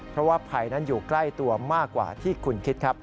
เพราะว่าภัยนั้นอยู่ใกล้ตัวมากกว่าที่คุณคิดครับ